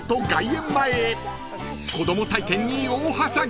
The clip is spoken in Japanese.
［子供体験に大はしゃぎ］